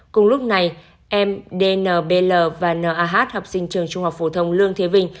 cùng lúc này em dnbl và nah học sinh trường trung học phổ thông lương thế vinh